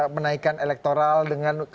menaikan elektoral dengan